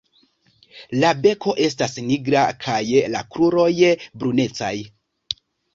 La beko estas nigra kaj la kruroj brunecaj.